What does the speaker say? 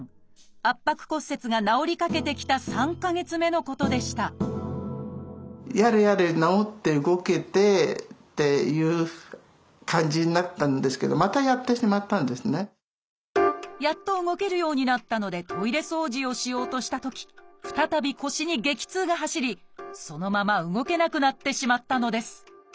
圧迫骨折が治りかけてきた３か月目のことでしたやっと動けるようになったのでトイレ掃除をしようとしたとき再び腰に激痛が走りそのまま動けなくなってしまったのです。